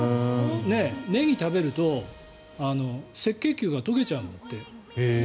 ネギを食べると赤血球が溶けちゃうんだって。